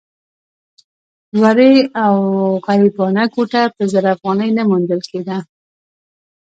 ورې او غریبانه کوټه په زر افغانۍ نه موندل کېده.